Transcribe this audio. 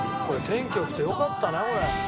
天気良くてよかったなこれ。